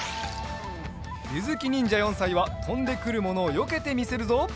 ゆずきにんじゃ４さいはとんでくるものをよけてみせるぞ。